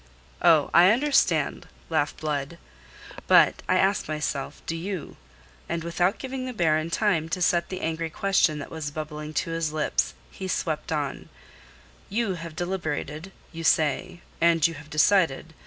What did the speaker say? "Oh, I understand," laughed Blood. "But, I ask myself, do you?" And without giving the Baron time to set the angry question that was bubbling to his lips, he swept on: "You have deliberated, you say, and you have decided.